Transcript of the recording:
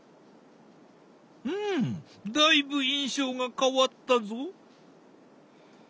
うんだいぶ印象が変わったぞ。